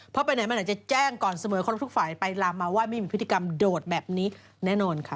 เพราะไปไหนมาไหนจะแจ้งก่อนเสมอครบทุกฝ่ายไปลามมาว่าไม่มีพฤติกรรมโดดแบบนี้แน่นอนค่ะ